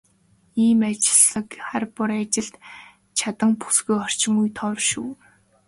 Ийм ажилсаг, хар бор ажилд чаданги бүсгүй орчин үед ховор шүү.